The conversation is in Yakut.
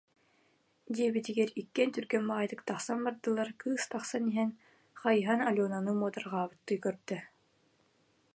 диэбитигэр иккиэн түргэн баҕайытык тахсан бардылар, кыыс тахсан иһэн, хайыһан Аленаны муодарҕаабыттыы көрдө